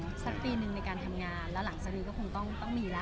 ขอเวลาอีกสักปีนึงในการทำงานแล้วหลังสักปีก็คงต้องมีละ